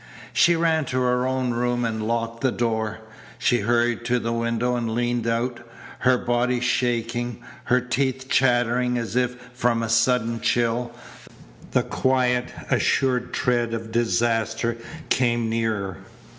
She ran to her own room and locked the door. She hurried to the window and leaned out, her body shaking, her teeth chattering as if from a sudden chill. The quiet, assured tread of disaster came nearer.